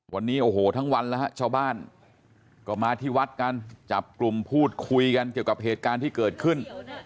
วันนี้โอ้โหทั้งวันแล้วฮะชาวบ้านก็มาที่วัดกันจับกลุ่มพูดคุยกันเกี่ยวกับเหตุการณ์ที่เกิดขึ้น